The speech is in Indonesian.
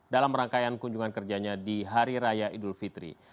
dalam rangkaian kunjungan kerjanya di hari raya idul fitri